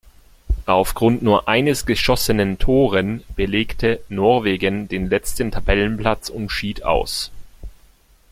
Auf Grund nur eines geschossenen Toren belegte Norwegen den letzten Tabellenplatz und schied aus.